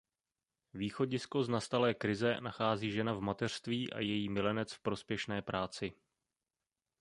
Východisko z nastalé krize nachází žena v mateřství a její milenec v prospěšné práci.